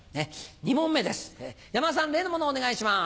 ２問目です山田さん例のものお願いします。